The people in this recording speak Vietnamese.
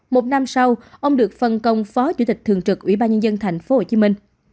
một năm sau ông được phân công phó chủ tịch thường trực ủy ban nhân dân thành phố hồ chí minh